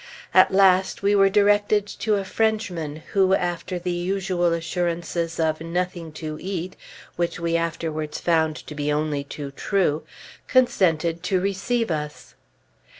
At last we were directed to a Frenchman, who, after the usual assurance of "nothing to eat" (which we afterwards found to be only too true), consented to receive us.